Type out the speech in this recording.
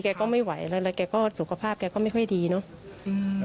ที่ก็ไม่ไหวแล้วสุขภาพไม่ค่อยดีเนอะ